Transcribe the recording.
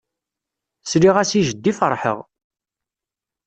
Sliɣ-as i jeddi ferḥeɣ.